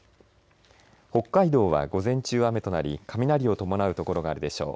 北海道は午前中、雨となり雷を伴うところがあるでしょう。